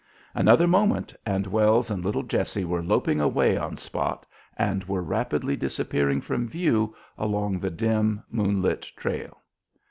Another moment, and Wells and little Jessie were loping away on Spot, and were rapidly disappearing from view along the dim, moonlit trail.